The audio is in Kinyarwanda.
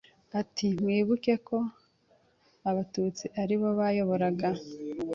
Ati mwibuke ko Abatutsi aribo bayoboraga